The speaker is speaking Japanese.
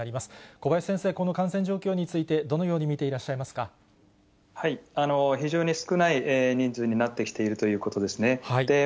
小林先生、この感染状況について、どのように見ていらっしゃいます非常に少ない人数になってきているということですね。